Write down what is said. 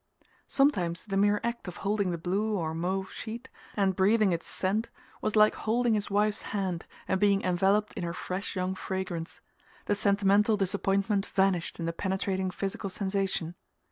Sometimes the mere act of holding the blue or mauve sheet and breathing its scent was like holding his wife's hand and being enveloped in her fresh young fragrance: the sentimental disappointment vanished in the penetrating physical sensation.